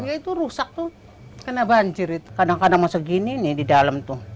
ya itu rusak tuh kena banjir itu kadang kadang mau segini nih di dalam tuh